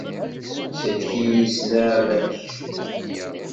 Sellek-iyi s nneɛma-k!